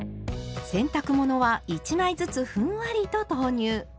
洗濯物は１枚ずつふんわりと投入。